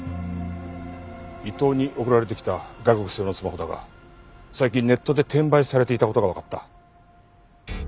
伊藤に送られてきた外国製のスマホだが最近ネットで転売されていた事がわかった。